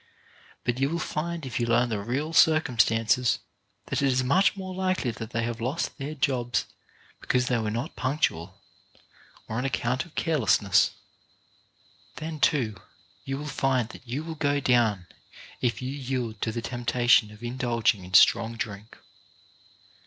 But you will find, if you learn the real circumstances, that it is much more likely they have lost their jobs because they were not punctual, or on account of carelessness. Then, too, you will find that you will go down if you yield to the temptation of indulging in strong drink.